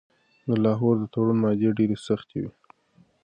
د لاهور د تړون مادې ډیرې سختې وې.